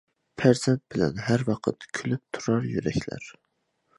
پەرزەنت بىلەن ھەر ۋاقىت كۈلۈپ تۇرار يۈرەكلەر.